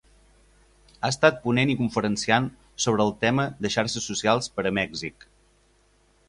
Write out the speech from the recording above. Ha estat ponent i conferenciant sobre el tema de xarxes socials per a Mèxic.